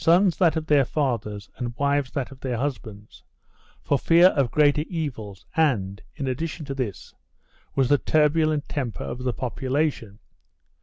CHAP. IV] CATALONIA 475 of their husbands, for fear of greater evils and, in addition to this, was the turbulent temper of the population.